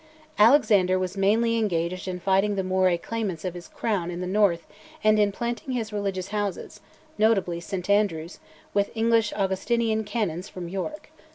Alexander was mainly engaged in fighting the Moray claimants of his crown in the north and in planting his religious houses, notably St Andrews, with English Augustinian canons from York.